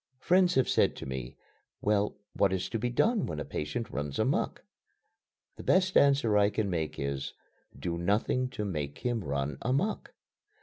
Friends have said to me: "Well, what is to be done when a patient runs amuck?" The best answer I can make is: "Do nothing to make him run amuck."